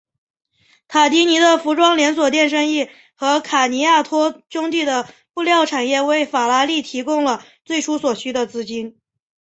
塔迪尼的服装连锁店生意和卡尼亚托兄弟的布料产业为法拉利提供了最初所需的资金。